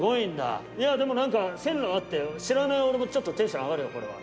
いやでも何か線路あって知らない俺もちょっとテンション上がるよこれは。